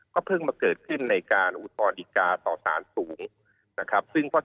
เพิ่งมาเกิดขึ้นในการอุทธรณิกาต่อสารสูงนะครับ